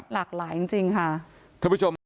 หลากหลายจริงค่ะ